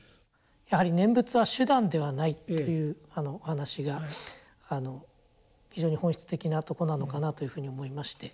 やはり念仏は手段ではないっていうお話が非常に本質的なとこなのかなというふうに思いまして。